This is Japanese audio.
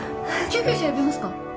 救急車呼びますか！？